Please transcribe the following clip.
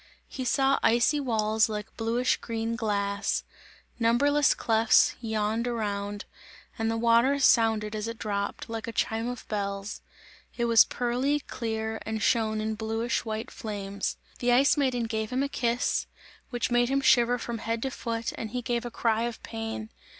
He saw icy walls like bluish green glass, numberless clefts yawned around, and the water sounded as it dropped, like a chime of bells; it was pearly, clear and shone in bluish white flames. The Ice Maiden gave him a kiss, which made him shiver from head to foot and he gave a cry of pain.